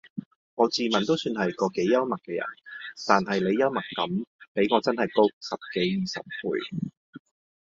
我自問都算個幾幽默既人但係你幽默感比我真係高十幾二十倍